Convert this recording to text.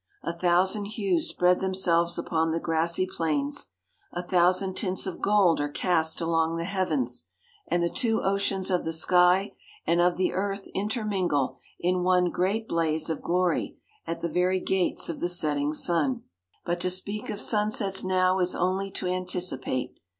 A thousand hues spread themselves upon the grassy plains, a thousand tints of gold are cast along the heavens, and the two oceans of the sky and of the earth intermingle in one great blaze of glory at the very gates of the setting sun. But to speak of sunsets now is only to anticipate.